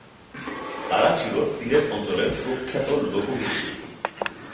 তারা ছিলো সিলেট অঞ্চলের প্রখ্যাত লোকগীতি শিল্পী।